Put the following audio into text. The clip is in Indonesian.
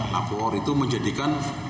lapor itu menjadikan